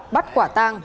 bắt quả tang